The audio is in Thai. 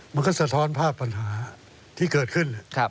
มันก็สะท้อนภาพปัญหาที่เกิดขึ้น